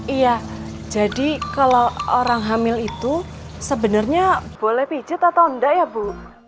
iya jadi kalau orang hamil itu sebenarnya boleh pijit atau enggak ya bu